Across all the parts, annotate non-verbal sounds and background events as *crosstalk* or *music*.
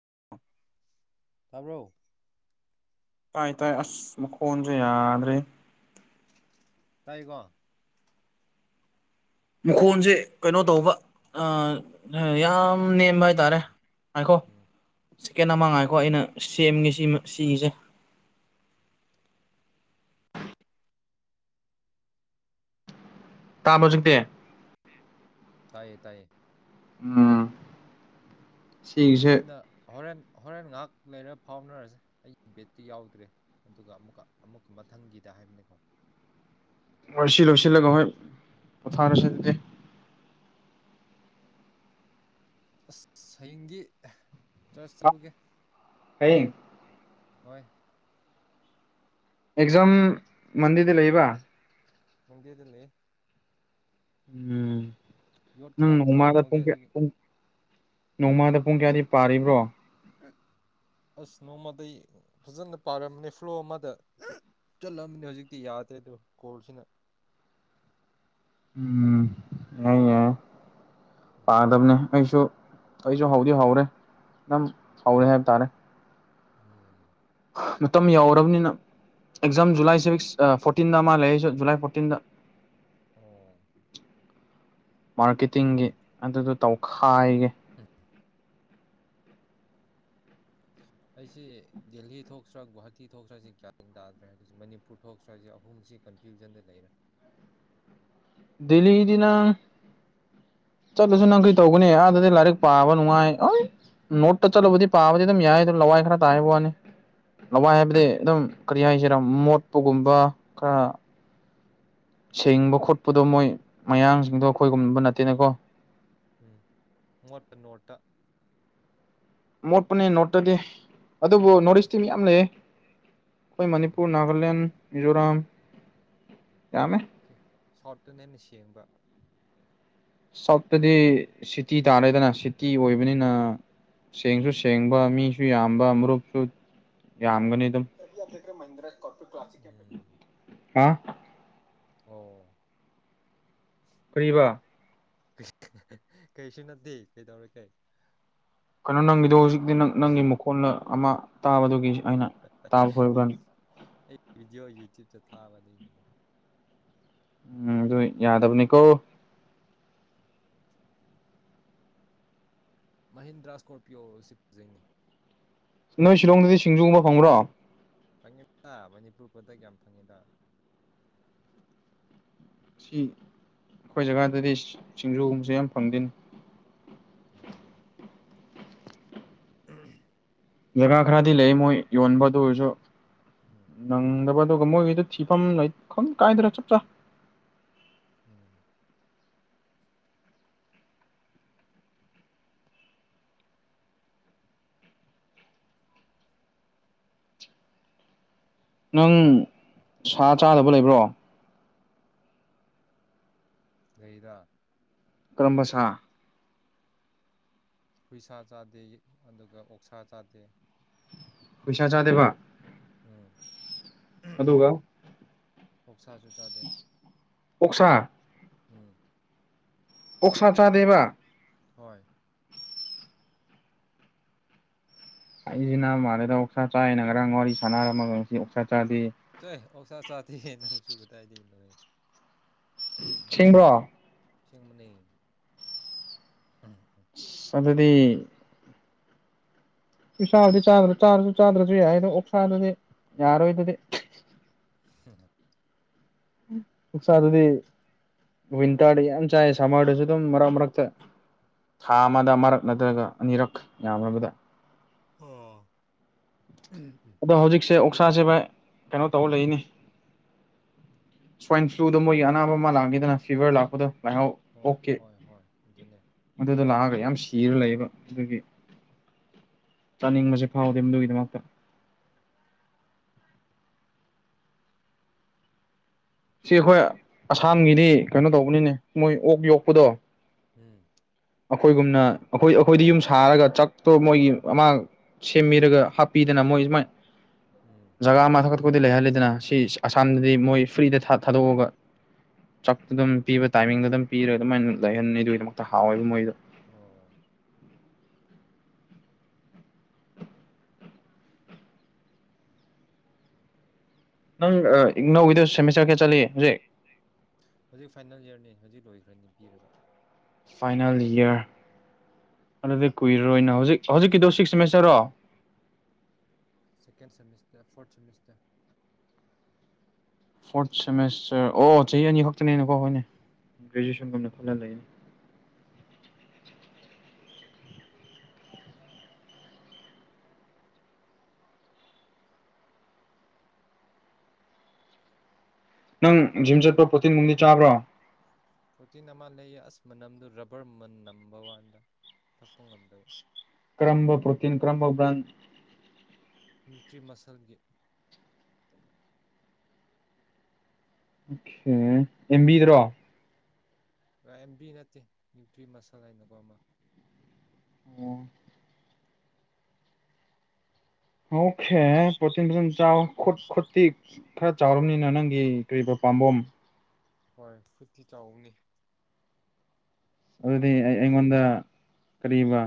*inaudible* ꯇꯥꯕ꯭ꯔꯣ ꯇꯥꯏ ꯇꯥꯏ ꯑꯁ ꯃꯈꯣꯟꯁꯦ ꯌꯥꯗ꯭ꯔꯦ ꯇꯥꯏꯀꯣ ꯃꯈꯣꯟꯁꯦ ꯀꯩꯅꯣ ꯇꯧꯕ ꯌꯥꯝ ꯅꯦꯝꯕ ꯍꯥꯏꯇꯥꯔꯦ ꯍꯥꯏꯈꯣ ꯎꯝ ꯁꯦꯀꯦꯟ ꯑꯃꯉꯥꯏꯀꯣ ꯑꯩꯅ ꯁꯦꯝꯒꯦ ꯁꯤ ꯁꯤꯁꯦ ꯇꯥꯃꯁꯨꯛꯇꯦ ꯇꯥꯏꯌꯦ ꯇꯥꯏꯌꯦ ꯑꯥ ꯑꯁꯤꯅ ꯍꯣꯔꯦꯟ ꯍꯣꯔꯦꯟ ꯉꯥꯏꯍꯥꯛ ꯂꯩꯔ ꯐꯥꯎꯅꯔꯁꯦ ꯑꯩꯒꯤ ꯕꯦꯠꯇꯤ ꯌꯥꯎꯗ꯭ꯔꯦ ꯑꯗꯨꯒ ꯑꯃꯨꯛꯀ ꯑꯃꯨꯛꯀ ꯃꯊꯪꯒꯤꯗ ꯍꯥꯢꯕꯅꯤꯀꯣ ꯍꯣꯢ ꯁꯤ ꯂꯣꯏꯁꯤꯜꯂꯒ ꯍꯣꯏ ꯄꯣꯊꯥꯔꯁꯤ ꯑꯁ ꯍꯌꯦꯡꯒꯤ ꯆ ꯆꯠꯂꯨꯒꯦ ꯍꯩ ꯍꯣꯏ ꯑꯦꯛꯖꯝ ꯃꯟꯗꯤꯔꯗ ꯂꯩꯕ ꯃꯟꯗꯦꯗ ꯂꯩꯌꯦ ꯌꯣꯠ ꯎꯝ ꯈꯤꯇꯪ ꯎꯝꯗ ꯄ *unintelligible* ꯊꯥꯡꯉꯨꯒꯦ ꯑꯗꯨꯒꯤ *unintelligible* *unintelligible* ꯅꯣꯡꯃꯥꯗ ꯄꯨꯡ ꯀꯌꯥꯗꯤ ꯄꯥꯔꯤꯕ꯭ꯔꯣ ꯑꯁ ꯅꯣꯡꯃꯗꯩ ꯐꯖꯅ ꯄꯥꯔꯝꯅꯦ ꯐ꯭ꯂꯣ ꯑꯃꯗ ꯆꯠꯂꯝꯕꯅꯤ ꯍꯧꯖꯤꯛꯇꯤ ꯌꯥꯗꯦ ꯑꯗꯣ ꯀꯣꯜꯁꯤꯅ ꯎꯝ ꯑꯦ ꯎꯝ ꯄꯥꯗꯕꯅꯦ ꯑꯩꯁꯨ ꯑꯩꯁꯨ ꯍꯧꯎꯗꯤ ꯍꯧꯔꯦ ꯅꯪ ꯍꯧꯎꯔꯦ ꯍꯥꯏꯕ ꯇꯥꯔꯦ ꯎꯝ ꯃꯇꯝ ꯌꯧꯔꯕꯅꯤꯅ ꯑꯦꯛꯖꯥꯝ ꯖꯨꯂꯥꯏ ꯍꯣꯏ ꯁꯤꯕꯤꯁ ꯐꯣꯔꯇꯤꯟꯗ ꯑꯃ ꯂꯩꯔꯤ ꯖꯨꯂꯥꯏ ꯐꯣꯔꯇꯤꯟꯗꯥ ꯑꯣ ꯃꯥꯔꯀꯦꯇꯤꯡꯒꯤ ꯑꯗꯨꯗꯣ ꯇꯧꯈꯥꯏꯒꯦ ꯑꯩꯁꯤ ꯗꯦꯜꯂꯤ ꯊꯣꯛꯇ꯭ꯔꯥ ꯒꯨꯍꯥꯇꯤ ꯊꯣꯛꯇ꯭ꯔꯁꯤ ꯒ꯭ꯌꯥꯟ ꯇꯥꯗ꯭ꯔꯦ ꯍꯥꯏꯕꯁꯤ ꯃꯅꯤꯄꯨꯔ ꯊꯣꯛꯇ꯭ꯔꯁꯤ ꯑꯍꯨꯝꯁꯤ ꯁꯤ ꯀꯟꯐ꯭ꯌꯨꯖꯟꯗ ꯂꯩꯔꯦ ꯗꯦꯜꯂꯤꯗꯤ ꯅꯪ ꯆꯠꯂꯁꯨ ꯅꯪ ꯀꯔꯤ ꯇꯧꯒꯅꯤ ꯑꯥꯗꯗꯤ ꯂꯥꯏꯔꯤꯛ ꯄꯥꯕ ꯅꯨꯡꯉꯥꯏ ꯅꯣꯠꯇ ꯆꯠꯂꯨꯕꯗꯤ ꯄꯥꯕꯗꯤ ꯑꯗꯨꯝ ꯌꯥꯏ ꯑꯗꯨꯝ ꯂꯋꯥꯏ ꯈꯔ ꯇꯥꯏꯕ ꯋꯥꯅꯤ ꯂꯋꯥꯏ ꯍꯥꯏꯕꯗꯤ ꯎꯝ ꯑꯗꯨꯝ ꯀꯔꯤ ꯍꯥꯏꯁꯤꯔꯣ ꯃꯣꯠꯄꯒꯨꯝꯕ ꯈꯔ ꯁꯦꯡꯕ ꯈꯣꯠꯄꯗꯣ ꯃꯣꯏ ꯃꯌꯥꯡꯁꯤꯡꯗꯣ ꯑꯩꯈꯣꯏꯒꯨꯝꯕ ꯅꯠꯇꯦꯅꯦꯀꯣ ꯎꯝ ꯃꯣꯠꯄ ꯅꯣꯇ ꯃꯣꯠꯄꯅꯦ ꯅꯣꯠꯇꯗꯤ ꯑꯗꯨꯕꯨ ꯅꯣꯔꯠ ꯏꯁꯇꯤ ꯃꯤ ꯌꯥꯝ ꯂꯩꯌꯦ ꯑꯩꯈꯣꯏ ꯃꯅꯤꯄꯨꯔ ꯎꯝ ꯅꯥꯒꯥꯂꯦꯟ ꯃꯤꯖꯣꯔꯥꯝ ꯌꯥꯝ ꯁꯥꯎꯠꯇꯨꯅ ꯍꯦꯟꯅ ꯁꯦꯡꯕ ꯁꯥꯎꯠꯇꯗꯤ ꯁꯤꯇꯤ ꯇꯥꯔꯦꯗꯅ ꯁꯤꯇꯤ ꯑꯣꯏꯕꯅꯤꯅ ꯁꯦꯡꯁꯨ ꯎꯝ ꯁꯦꯡꯕ ꯃꯤꯁꯨ ꯌꯥꯝꯕ ꯃꯔꯨꯞꯁꯨ ꯌꯥꯝꯒꯅꯤ ꯑꯗꯨꯝ *unintelligible* *unintelligible* *unintelligible* ꯍꯥ ꯑꯣ ꯀ꯭ꯔꯤꯕ ꯀꯩꯁ ꯀꯩꯁꯨ ꯅꯗꯦ ꯀꯩꯗꯧꯔꯒꯦ ꯀꯩꯅꯣ ꯅꯪꯒꯤꯗꯣ ꯍꯧꯖꯤꯛꯇꯤ ꯅꯪ ꯅꯪꯒꯤ ꯃꯈꯣꯟꯜꯅ ꯑꯃ ꯇꯥꯕꯗꯨꯒꯤ ꯑꯩꯅ ꯇꯥꯕ ꯚꯤꯗꯤꯑꯣ *unintelligible* ꯌꯨꯇ꯭ꯌꯨꯕꯇ ꯊꯥꯕ ꯑꯗꯨꯢꯅꯤꯗ ꯎꯝ ꯑꯗꯨꯢ ꯌꯥꯗꯕꯅꯤꯀꯣ ꯃꯍꯤꯟꯗ꯭ꯔꯥ ꯁ꯭ꯀꯣꯔꯄꯤꯌꯣ ꯁꯤ ꯐꯖꯩꯅꯦ ꯅꯣꯏ ꯁꯤꯂꯣꯡꯗꯗꯤ ꯁꯤꯡꯖꯨꯒꯨꯝꯕ ꯐꯪꯕ꯭ꯔꯣ ꯐꯪꯉꯤꯗ ꯃꯅꯤꯄꯨꯔ ꯄ꯭ꯔꯗꯛ ꯌꯥꯝ ꯐꯪꯉꯤꯗ ꯁꯤ ꯑꯩꯈꯣꯏ ꯖꯒꯥꯗꯗꯤ ꯁꯤꯡꯖꯨꯒꯨꯝꯕꯁꯦ ꯌꯥꯝ ꯐꯪꯗꯦꯅꯦ ꯑꯣ ꯖꯒꯥ ꯈꯔꯗꯤ ꯂꯩ ꯃꯣꯏ ꯌꯣꯟꯕ ꯑꯗꯨ ꯑꯣꯏꯔꯁꯨ ꯎꯝ ꯅꯪꯗꯕ ꯑꯗꯨꯒ ꯃꯣꯏꯒꯤꯗꯣ ꯊꯤꯐꯝ ꯈꯪ ꯀꯥꯏꯗ꯭ꯔꯥ ꯆꯞ ꯆꯥ ꯎꯝ ꯅꯪ ꯁꯥ ꯆꯥꯗꯕ ꯂꯩꯕ꯭ꯔꯣ ꯂꯩꯗꯥ ꯀꯔꯝꯕ ꯁꯥ ꯍꯨꯏꯁꯥ ꯆꯥꯗꯦ ꯑꯗꯨꯒ ꯑꯣꯛꯁꯥ ꯆꯥꯗꯦ ꯍꯨꯢꯁꯥ ꯆꯥꯗꯦꯕ ꯎꯝ ꯑꯗꯒ ꯑꯣꯛꯁꯥꯁꯨ ꯆꯥꯗꯦ ꯑꯣꯛꯁꯥ ꯎꯝ ꯑꯣꯛꯁꯥ ꯆꯥꯗꯦꯕ ꯍꯣꯏ ꯍꯥꯢꯖꯤꯟꯅꯕ ꯃꯥꯜꯂꯦꯗ ꯑꯣꯛꯁꯥ ꯆꯥꯏꯅ ꯉꯔꯥꯡ ꯋꯥꯔꯤ ꯁꯥꯟꯅꯔꯝꯃꯒ ꯉꯁꯤ ꯑꯣꯛꯁꯥ ꯆꯥꯗꯦ ꯆꯦ ꯑꯣꯁꯥ ꯆꯥꯗꯦ ꯅꯪꯁꯨ ꯀꯗꯥꯥꯏꯗꯩꯅꯣꯍꯦ ꯁꯦꯡꯕ꯭ꯔꯣ ꯑꯁꯦꯡꯕꯅꯦ ꯑꯗꯨꯗꯤ ꯍꯨꯢꯁꯥꯗꯨꯗꯤ ꯆꯥꯔꯁꯨ ꯆꯥꯗ꯭ꯔꯁꯨ ꯌꯥꯏꯗ ꯑꯣꯛꯁꯥꯗꯨꯗꯤ ꯌꯥꯔꯣꯏꯗꯨꯗꯤ *unintelligible* ꯑꯣꯛꯁꯥꯗꯨꯗꯤ ꯋꯤꯟꯇꯔꯗ ꯌꯥꯝ ꯆꯥꯏ ꯁꯝꯃꯔꯗꯁꯨ ꯑꯗꯨꯝ ꯃꯔꯛ ꯃꯔꯛꯇ ꯊꯥ ꯑꯃꯗ ꯑꯃꯔꯛ ꯅꯠꯇ꯭ꯔꯒ ꯑꯅꯤꯔꯛ ꯌꯥꯝꯔꯥꯕꯗ ꯑꯣ ꯎꯝ ꯎꯝ ꯑꯗꯣ ꯍꯧꯖꯤꯛꯁꯦ ꯑꯣꯛꯁꯥꯁꯦ ꯚꯥꯏ ꯀꯩꯅꯣ ꯇꯧꯔ ꯂꯩꯅꯦ ꯁ꯭ꯋꯥꯏꯟ ꯀꯔꯤ ꯐ꯭ꯂꯨꯗꯣ ꯃꯣꯏꯒꯤ ꯑꯅꯥꯕ ꯑꯃ ꯂꯥꯡ ꯒꯤꯗꯅ ꯐꯤꯚꯔ ꯂꯥꯛꯄꯗꯣ ꯂꯥꯏꯍꯧ ꯍꯣꯏ ꯑꯣꯛꯀꯤ ꯍꯣꯏ ꯍꯣꯏ ꯑꯗꯨꯅꯦ ꯃꯗꯨꯗꯣ ꯂꯥꯛꯑꯒ ꯌꯥꯝ ꯁꯤꯔ ꯂꯩꯌꯦꯕ ꯑꯗꯨꯒꯤ ꯆꯥꯅꯤꯡꯕꯁꯦ ꯐꯥꯎꯗꯦ ꯃꯗꯨꯒꯤꯗꯃꯛꯇ ꯁꯤ ꯑꯩꯈꯣꯏ ꯑꯁꯥꯝꯒꯤꯗꯤ ꯀꯩꯅꯣ ꯇꯧꯕꯅꯤꯅꯦ ꯃꯣꯏ ꯑꯣꯛ ꯌꯣꯛꯄꯗꯣ ꯎꯝ ꯑꯩꯈꯣꯏꯒꯨꯝꯅ ꯑꯩꯈꯣꯏ ꯑꯩꯈꯣꯏꯗ ꯌꯨꯝ ꯁꯥꯔꯒ ꯆꯥꯛꯇꯣ ꯃꯣꯏꯒꯤ ꯑꯃꯥꯡ ꯁꯦꯝꯕꯤꯔꯒ ꯍꯥꯞꯄꯤꯗꯅ ꯃꯣꯢꯗꯤ ꯁꯨꯃꯥꯢ ꯎꯝ ꯖꯒꯥ *unintelligible* ꯇꯨꯗꯤ ꯂꯩꯍꯜꯂꯦꯗꯅ ꯁꯤ ꯎꯝ ꯑꯁꯥꯝꯗꯗꯤ ꯃꯣꯏ ꯐ꯭ꯔꯤꯗ ꯊꯥ ꯊꯥꯗꯣꯛꯑꯒ ꯆꯥꯛ ꯑꯗꯨꯝ ꯎꯝ ꯄꯤꯕ ꯇꯥꯏꯃꯤꯡꯗ ꯑꯗꯨꯝ ꯄꯤꯔꯥ ꯑꯗꯨꯃꯥꯏꯅ ꯂꯩꯍꯟꯅꯤ ꯑꯗꯨꯒꯤꯗꯃꯛꯇ ꯍꯥꯎꯋꯦꯕ ꯃꯣꯏꯗꯣ ꯑꯣ ꯅꯪ ꯢꯛꯅꯧꯒꯤꯗ ꯁꯦꯝꯃꯤꯁꯇꯔ ꯀꯌꯥ ꯆꯠꯂꯤ ꯍꯧꯖꯤꯛ ꯍꯧꯖꯤꯛ ꯐꯥꯏꯅꯦꯜ ꯢꯌꯔꯅꯦ ꯍꯧꯖꯤꯛ ꯂꯣꯏꯒ꯭ꯔꯅꯤ ꯄꯤꯔꯒ ꯐꯥꯏꯅꯦꯜ ꯏꯔ ꯑꯗꯨꯗꯤ ꯀꯨꯏꯔꯔꯣꯏꯅ ꯍꯧꯖꯤꯛ ꯍꯧꯖꯤꯛꯀꯤꯗꯣ ꯁꯤꯛꯁ ꯁꯦꯃꯤꯁꯇꯔꯣ second semester fourth semester fourth semester ꯑꯣ ꯆꯍꯤ ꯑꯅꯤ ꯈꯛꯇꯅꯦꯅꯀꯣ ꯍꯣꯏꯅꯦ ꯭ꯔꯦꯖꯨꯌꯦꯦꯁꯟ ꯀꯅ ꯈꯂ ꯂꯩꯏ *unintelligible* ꯅꯪ ꯖꯤꯝ ꯆꯠꯄ ꯄ꯭ꯔꯣꯇꯤꯟꯒꯨꯝꯗꯤ ꯆꯥꯕ꯭ꯔꯣ ꯄ꯭ꯔꯣꯇꯤꯟ ꯑꯃ ꯂꯩꯌꯦ ꯑꯁ ꯃꯅꯝꯗꯨ ꯔꯕꯔ ꯃꯅ ꯅꯝꯕ ꯋꯥꯟꯗ ꯊꯛꯄ ꯉꯝꯗꯕ ꯀ꯭ꯔꯝꯕ ꯄ꯭ꯔꯣꯇꯤꯟ ꯀ꯭ꯔꯝꯕꯕ꯭ꯔꯥꯟ ꯅ꯭ꯌꯨꯇ꯭ꯔꯤ ꯃꯁꯜꯒꯤ ꯦ ꯑꯦꯦꯝꯕꯤꯗ꯭ꯔꯣ ꯑꯦꯝ ꯕꯤ ꯅꯠꯇꯦ ꯅ꯭ꯌꯨꯇ꯭ꯔꯤ ꯃꯁꯜ ꯍꯥꯏꯅꯀꯣ ꯑꯃ ꯑꯣ ꯑꯣꯀꯦ ꯄꯣꯔꯣꯇꯤꯟ ꯐꯖ ꯆꯥꯎꯠ ꯈꯨꯣꯠꯇꯤ ꯈꯔ ꯆꯥꯎꯔꯕꯝꯅꯤꯅ ꯅꯪꯒꯤ ꯀ ꯄꯥꯝꯕꯝ ꯍꯣꯏ ꯐꯠꯇꯤ ꯆꯥꯎꯅꯤ ꯑꯗꯨꯗꯤ ꯑꯩ ꯑꯩꯉꯣꯟꯗ ꯀꯔꯤꯕ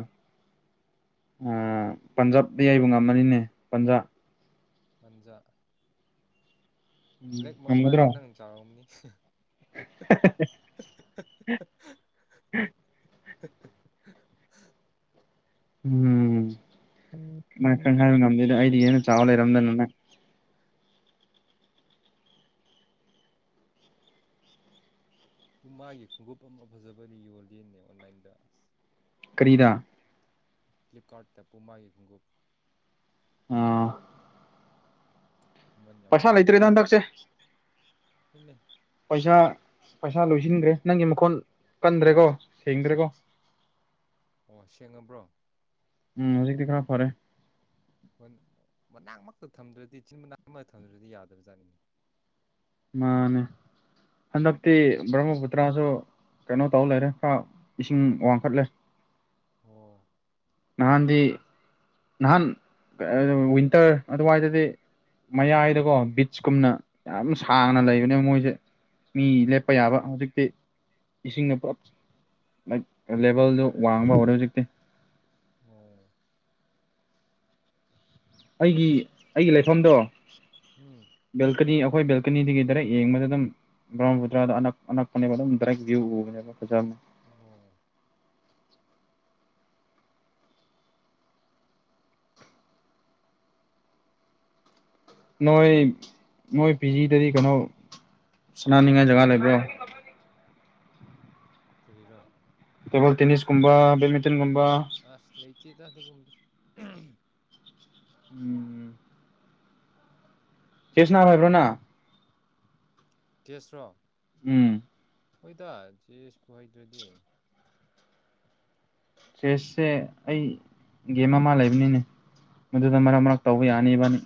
ꯄꯟꯖꯥꯕꯇ ꯌꯩꯕ ꯉꯝꯃꯅꯤꯅꯦ ꯄꯟꯖꯥꯕ ꯄꯟꯖꯥ ꯕ꯭ꯂꯦꯛ ꯃꯃꯃꯥꯗꯤ ꯉꯝꯒꯗ꯭ꯔꯣ ꯅꯪ ꯆꯥꯔꯣꯅꯤ *inaudible* *inaudible* ꯎꯝ ꯃꯥꯏ ꯑꯦ, ꯈꯪ ꯍꯥꯏꯕ ꯉꯝꯗꯦꯗ ꯑꯩꯗꯤ ꯍꯦꯟꯅ ꯆꯥꯎꯕ ꯂꯩꯔꯝꯗꯅꯅ ꯃꯥꯒꯤ ꯈꯣꯡꯎꯞ ꯑꯃ ꯐꯖꯕꯗꯤ ꯌꯣꯜꯂꯤꯦꯅꯦ ꯑꯣꯟꯂꯥꯏꯟꯗ ꯑꯁ ꯀꯔꯤꯗꯥ ꯐ꯭ꯂꯤꯞꯀꯥꯔꯠꯇ ꯄꯨꯃꯒꯤ ꯈꯣꯡꯎꯞ ꯑ ꯃꯃꯜ ꯌꯥꯝ ꯄꯩꯁꯥ ꯍꯣꯡꯅ ꯂꯩꯇ꯭ꯔꯦꯗ ꯌꯣꯜꯂꯤ ꯍꯟꯗꯛꯁꯦ ꯍꯣꯏꯅꯦ ꯄꯩꯁꯥ ꯄꯩꯁꯥ ꯂꯣꯏꯁꯤꯟꯗ꯭ꯔꯦ ꯅꯪꯒꯤ ꯃꯈꯣꯟ ꯀꯟꯗ꯭ꯔꯦꯀꯣ ꯁꯦꯡꯗ꯭ꯔꯦꯀꯣ ꯑꯣ ꯁꯦꯡꯉꯕ꯭ꯔꯣ ꯎꯝ ꯍꯧꯖꯤꯛꯇꯛꯇꯗꯤ ꯈꯔꯞ ꯐꯔꯦ ꯍꯣꯏ ꯃꯅꯥꯛ ꯃꯛꯇ ꯊꯝꯗ꯭ꯔꯗꯤ ꯏꯆꯤꯟ ꯃꯅꯥꯎ ꯑꯃꯛꯇ ꯊꯝꯗ꯭ꯔꯗꯤ ꯌꯥꯗꯕꯖꯥꯠꯅꯤꯡꯉꯤ ꯃꯥꯅꯦ ꯍꯟꯗꯛꯇꯤ ꯕ꯭ꯔꯃꯄꯨꯇ꯭ꯔꯥꯁꯨ ꯀꯩꯅꯣ ꯇꯧ ꯂꯩꯔꯦ ꯈꯔ ꯏꯁꯤꯡ ꯋꯥꯡꯈꯠꯂꯦ ꯑꯣ ꯅꯍꯥꯟꯗꯤ ꯅꯍꯥꯟ ꯋꯤꯟꯇꯔ ꯑꯗꯨꯋꯥꯏꯗꯗꯤ ꯃꯌꯥꯏꯗꯀꯣ ꯕꯤꯠꯆꯀꯨꯝꯅ ꯌꯥꯝ ꯁꯥꯡꯅ ꯂꯩꯕꯅꯦ ꯃꯣꯏꯁꯦ ꯃꯤ ꯂꯦꯞꯄ ꯎꯝ ꯌꯥꯕ ꯍꯧꯖꯤꯛꯇꯤ ꯏꯁꯤꯡꯅ ꯄꯨꯂꯞ ꯂꯥꯏꯛ ꯂꯦꯕꯦꯜꯗꯣ ꯋꯥꯡꯕ ꯍꯧꯔꯦ ꯍꯧꯖꯤꯛꯇꯤ ꯎꯝ ꯑꯩꯒꯤ ꯑꯩꯒꯤ ꯂꯩꯐꯝꯗꯣ ꯎꯝ ꯕꯦꯜꯀꯅꯤ ꯑꯩꯈꯣꯏ ꯕꯦꯜ ꯀꯀꯅꯤꯗꯒꯤ ꯗꯥꯏꯔꯦꯛ ꯌꯦꯡꯕꯗ ꯑꯗꯨꯝ ꯕ꯭ꯔꯨꯗ꯭ꯔꯥꯗ ꯑꯅꯛ ꯑꯅꯛꯄꯅꯦꯕ ꯑꯗꯨꯝ ꯗꯥꯏꯔꯦꯛ ꯚ꯭ꯌꯨ ꯎꯕꯅꯦꯕ ꯐꯖꯕ ꯎ ꯅꯣꯏ ꯅꯣꯏ ꯄꯤꯖꯤꯗꯗꯤ ꯀꯩꯅꯣ ꯁꯅꯥꯅꯤꯡ ꯍꯥꯏ ꯖꯒꯥ ꯂꯩꯕꯣ ꯐꯔꯣ ꯀꯦꯕꯜ ꯇꯦꯅꯤꯁ ꯀꯨꯝꯕ ꯕꯠꯃꯤꯟꯇꯟ ꯀꯨꯝ ꯑꯁ ꯂꯩꯇꯦ ꯇ ꯑꯗꯨꯗꯤ ꯎꯝ ꯀꯁꯅꯥ ꯍꯥꯏꯕ꯭ꯔꯣꯅꯥ ꯇꯦꯁ꯭ꯔꯣ ꯎꯝ ꯍꯣꯏꯗ ꯆꯦꯁꯄ ꯍꯩꯗ꯭ꯔꯗꯤ ꯆꯦꯁꯁꯦ ꯑꯩ ꯒꯦꯝ ꯑꯃ ꯂꯩꯕꯅꯤꯅꯦ ꯃꯗꯨꯗ ꯃꯔꯛ ꯃꯔꯛ ꯇꯧꯕ ꯌꯥꯅꯤꯕꯅꯤ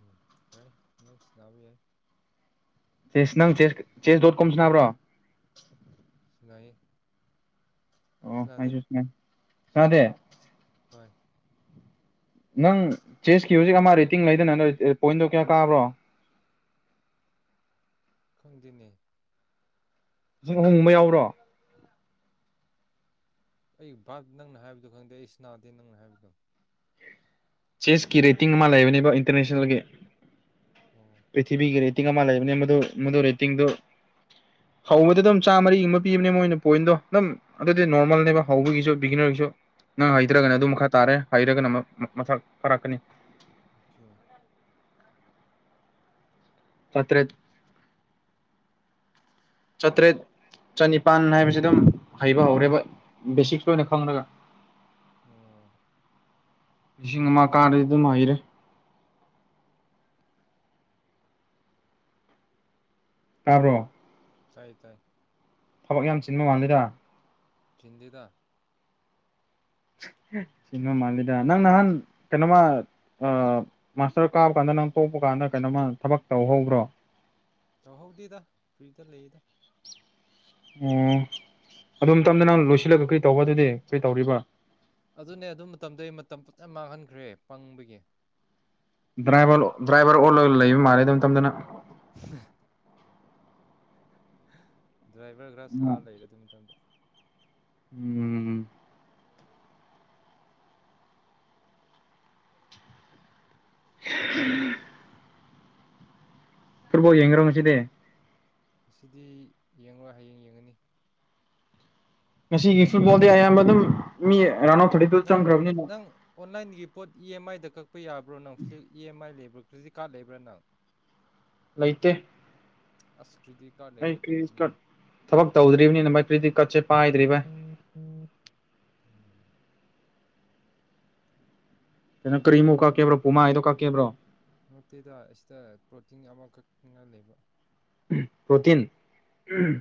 ꯎꯝ ꯀꯦ ꯌꯥꯕꯤ ꯌꯥ ꯆꯦꯁ ꯅꯪ ꯆ ꯆꯦꯁ ꯗꯣꯠ ꯀꯣꯝꯁꯨ ꯅꯕ꯭ꯔꯣ ꯁꯤꯉꯥꯏ ꯑꯣꯁꯨꯁ ꯁꯅꯥꯗꯦ ꯍꯣꯏ ꯅꯪ ꯆꯦꯁꯀꯤ ꯍꯧꯖꯤꯛ ꯑꯃ ꯔꯦꯇꯤꯡ ꯂꯩꯗꯅ ꯄꯣꯏꯟꯗꯣ ꯀꯌꯥ ꯀꯥꯕ꯭ꯔꯣ ꯈꯪꯗꯤꯅꯦ ꯍꯣꯡꯕ ꯌꯥꯎꯔꯣ ꯑꯩ ꯚꯥꯞ ꯅꯪꯅ ꯍꯥꯏꯕꯗꯣ ꯈꯪꯗꯦ ꯑꯩꯁ ꯅꯥꯗꯦ ꯅꯪꯅ ꯍꯥꯏꯕꯗꯣ ꯆꯦꯁꯀꯤ ꯔꯦꯇꯤꯡ ꯑꯃ ꯂꯩꯕꯅꯦꯕ ꯏꯟꯇꯔꯅꯦꯁꯅꯦꯜꯒꯤ ꯑꯣ ꯄ꯭ꯔꯤꯊꯤꯕꯤꯒꯤ ꯔꯦꯤꯡ ꯂꯩ ꯃ ꯔꯦꯇ ꯍꯧꯕꯗ ꯑꯗꯨꯝ ꯆꯥꯝꯃꯔꯤꯒꯨꯝꯕ ꯄꯤꯕꯅꯦ ꯃꯣꯏꯅ ꯄꯣꯏꯟꯗꯣ ꯑꯗꯨꯝ ꯑꯗꯨꯗꯤ ꯅꯣꯔꯃꯦꯜꯅꯦꯕ ꯍꯧꯕꯒꯤꯁꯨ ꯕꯤꯒꯤꯅꯔꯒꯤꯁꯨ ꯅꯪ ꯎꯝ ꯍꯩꯇ꯭ꯔꯒꯅ ꯑꯗꯨꯝ ꯑꯣꯀꯦ ꯃꯈꯥ ꯇꯥꯔꯦ ꯍꯩꯔꯒꯅ ꯃꯊꯛ ꯐꯔꯛꯀꯅꯤ ꯑꯦ ꯇꯠꯇ꯭ꯔ *unintelligible* ꯆꯠꯇ꯭ꯔꯦꯠ ꯆꯅꯤꯄꯥꯟ ꯍꯥꯏꯕꯁꯤ ꯑꯗꯨꯝ ꯍꯩꯕ ꯍꯧꯔꯦꯕ ꯕꯦꯁꯤꯛꯁꯀꯤ ꯑꯣꯏꯅ ꯈꯪꯒ ꯎꯝ ꯆꯤꯡꯉ ꯃꯥ ꯀꯥꯗ ꯑꯗꯨ ꯃꯥꯥꯏꯔꯦ ꯇꯔꯣ ꯇꯥꯏ ꯇꯥꯏ ꯊꯕꯛ ꯌꯥꯝ ꯆꯤꯟꯕ ꯃꯥꯜꯜꯂꯤꯦꯔ ꯆꯤꯟꯗꯤꯗ ꯗ ꯅꯪ ꯅꯍꯥꯟ ꯀꯩꯅꯣꯃ ꯑ ꯃꯥꯇꯔ ꯀꯥ ꯀꯥꯟ ꯅꯪ ꯇꯣꯛꯄ ꯀꯥꯟꯗ ꯀꯩꯅꯣꯝꯃ ꯊꯕꯛ ꯇꯧꯍꯧꯕ꯭ꯔꯣ ꯌꯥꯍꯧꯗꯦꯗ ꯐ꯭ꯔꯤꯗ ꯂꯩꯌꯦꯗ ꯑꯣ ꯑꯗꯣꯝꯇꯝꯗ ꯅꯪ ꯂꯣꯏꯁꯤꯜꯂꯒ ꯀꯔꯤ ꯇꯧꯕ ꯑꯗꯨꯗꯤ ꯀꯔꯤ ꯇꯧꯔꯤꯕ ꯑꯗꯨꯅꯦ ꯑꯗꯨ ꯃꯇꯝꯗꯨ ꯑꯩ ꯃꯇꯝ ꯐꯖ ꯃꯥꯡꯍꯟꯈ꯭ꯔꯦ ꯄꯪꯕꯒꯤ ꯗ꯭ꯔꯥꯏꯚꯔ ꯗ꯭ꯔꯥꯏꯚꯔ ꯑꯣ ꯂꯩꯕ ꯃꯥꯜꯂꯦꯗ ꯃꯇꯝꯝꯗꯅ ꯎꯝ ꯗ꯭ꯔꯥꯏꯚꯔ ꯈꯔ ꯁꯥꯔ ꯂꯩꯔꯦ ꯑꯗꯨ ꯃꯇꯝꯗ ꯎꯝ ꯎꯝ ꯄꯔꯕꯣ ꯌꯦꯡ ꯔꯣꯁꯤꯗꯦ ꯑꯁꯤꯗꯤ ꯌꯦꯡꯂꯡꯣ ꯍꯌꯦꯡ ꯌꯦꯡꯉꯅꯤ ꯉꯁꯤꯒꯤ ꯐꯨꯠꯕꯣꯜꯗꯤ ꯑꯌꯥꯝꯕ ꯑꯗꯨꯝ ꯃꯤ ꯔꯥꯎꯟ ꯑꯣꯐ ꯊꯥꯔꯇꯤ ꯇꯨ ꯅꯪ ꯆꯪꯈ꯭ꯔꯕꯅꯤꯅ ꯅꯪ ꯑꯣꯟꯂꯥꯏꯟꯒꯤ ꯄꯣꯠ ꯏ ꯑꯦꯝ ꯑꯥꯏꯗ ꯀꯛꯄ ꯌꯥꯕ꯭ꯔꯣ ꯅꯪ ꯐ꯭ꯂꯤꯞ ꯏ ꯑꯦꯝ ꯑꯥꯏ ꯂꯩꯕ꯭ꯔꯥ ꯐ꯭ꯔꯤꯗꯤꯀꯥꯔꯠ ꯂꯩꯕ꯭ꯔꯥ ꯅꯪ ꯂꯩꯩꯇ ꯑꯁꯀ꯭ꯔꯤꯇ ꯀꯥ ꯂꯩ ꯂꯐꯅꯤ ꯊꯕꯛ ꯇꯧꯗ꯭ꯔꯤꯕꯅꯤꯅ ꯃ ꯄ꯭ꯔꯤꯗꯤ ꯀꯠꯦ ꯎꯝ ꯎꯝ ꯀꯩꯅꯣ ꯀꯔꯤꯃꯨꯛ ꯀꯛꯀꯦꯕ꯭ꯔꯣ ꯄꯨꯃꯥꯗꯣ ꯀꯛꯀꯦꯕ꯭ꯔꯣ ꯅꯠꯇꯦꯗ ꯑꯁꯤꯗ ꯄ꯭ꯔꯣꯇꯤꯟ ꯑꯃꯈꯛꯅ ꯂꯩꯕ ꯄ꯭ꯔꯣꯇꯤꯟ ꯍꯣꯏ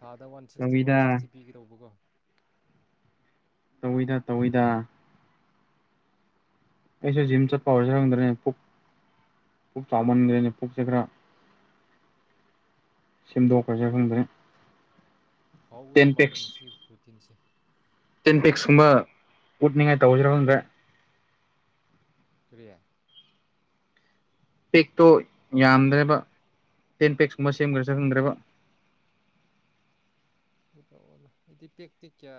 ꯊꯥꯗ ꯋꯥꯟ ꯁꯤꯛꯁꯇꯤ ꯋꯥꯟ ꯇꯧꯋꯤꯗ ꯁꯤꯛꯁꯇꯤ ꯄꯤꯒꯔꯧꯕꯒꯣ ꯇꯧꯋꯏꯗ ꯇꯧꯋꯏꯗ ꯑꯩꯩꯁ ꯖꯤꯝ ꯆꯠ ꯄꯥꯎꯔ ꯁꯗ ꯄ ꯐ ꯆꯥꯃꯟꯅꯤ ꯐꯨ ꯆꯈ꯭ꯔ ꯁꯦꯝꯗꯣꯛꯈ꯭ꯔꯁꯦ ꯈꯪꯗ꯭ꯔꯦ ꯇꯦꯟ ꯍꯥꯎꯒꯗꯧ ꯃꯥꯜꯂꯦ ꯄꯦꯛꯁ ꯁꯤꯒꯤ ꯔꯣꯇꯤꯟꯁꯦ ꯇꯦꯟ ꯄꯦꯛꯁꯀꯨꯝꯕ ꯎꯠꯅꯤꯡꯉꯥꯏ ꯇꯧꯁꯤꯔ ꯈꯗ꯭ꯔꯦ ꯀ *unintelligible* ꯄꯦꯛꯇꯣ ꯌꯥꯝꯗ꯭ꯔꯦꯕ ꯇꯦꯟ ꯄꯦꯛꯁꯀꯨꯝꯕ ꯁꯦꯝꯈ꯭ꯔ ꯈꯪꯗ꯭ꯔꯦꯕ *unintelligible* ꯎꯠꯂ ꯑꯣꯠꯂꯑꯣ ꯑꯩꯗꯤ ꯄꯦꯛꯇꯤ ꯀꯌꯥ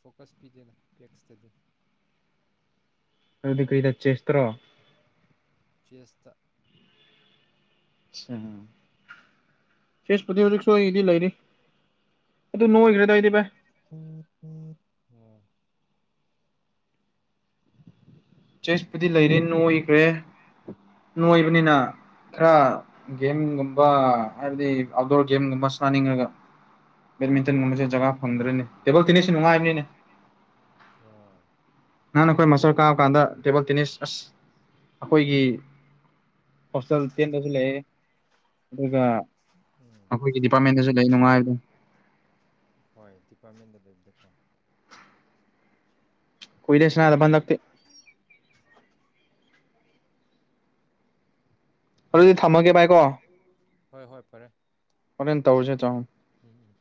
ꯐꯣꯀꯁ ꯄꯤꯗꯦꯅꯣ ꯄꯦꯛꯁꯇꯗꯤ *unintelligible* ꯑꯗꯨꯗꯤ ꯀꯩꯗ ꯆꯦꯁꯇ꯭ꯔꯣ ꯆꯁ ꯐꯦꯁꯄꯗꯤ ꯍꯧꯖꯤꯛ ꯁꯗꯤ ꯂꯩꯥꯏꯔꯤ ꯎꯝ ꯎꯝ ꯆꯦꯁꯄꯨꯗꯤ ꯂꯩꯔꯦ ꯅꯣꯏꯈ꯭ꯔꯦ ꯅꯣꯏꯕꯅꯤꯅ ꯈꯔ ꯒꯦꯝꯒꯨꯝꯕ ꯍꯥꯏꯕꯗꯤ ꯑꯥꯎꯠꯗꯣꯔ ꯒꯦꯝꯒꯨꯝꯕ ꯁꯅꯤꯡꯉꯒ ꯕꯦꯗꯃꯤꯟꯇꯟꯒꯨꯝꯕꯁꯦ ꯖꯒꯥ ꯐꯪꯗ꯭ꯔꯅꯦ ꯇꯦꯕꯜ ꯇꯤꯅꯤꯁꯁꯨ ꯅꯨꯡꯉꯥꯏꯕꯅꯤꯅꯦ ꯑꯣ ꯅꯍꯅ ꯑꯩꯈꯣꯏ ꯃꯆꯣꯔ ꯀꯥꯕ ꯀꯥꯟꯗ ꯇꯦꯕꯜ ꯇꯦꯅꯤꯁ ꯑꯁ ꯑꯩꯈꯣꯏꯒꯤ ꯐꯁ ꯇꯦꯟꯁ ꯂꯩꯌꯦ ꯑꯗꯨꯒꯒ ꯎꯝ ꯑꯩꯈꯣꯏꯒꯤ ꯗꯤꯄꯥꯔꯠꯃꯦꯟꯗꯁꯨ ꯂꯩ ꯅꯨꯡꯉꯥꯏꯕꯗ ꯍꯣꯏ ꯗꯤꯄꯥꯔꯠꯃꯦꯟꯗ ꯂꯩꯕꯗ ꯐꯪ ꯀꯣꯏꯗꯦꯁꯅꯗ ꯟ ꯂꯥꯛꯇ ꯑꯗꯨꯗꯤ ꯊꯝꯃꯒꯦ ꯚꯥꯏꯀꯣ ꯍꯣꯏ ꯍꯣꯏ ꯐꯔꯦ ꯍꯣꯔꯅ ꯇꯧꯔ ꯆꯦ ꯆꯣ ꯎꯝ ꯎꯝ